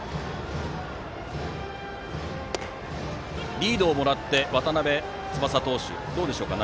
リードをもらって渡邉翼投手の内容はどうでしょう。